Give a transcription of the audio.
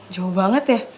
jauh banget ya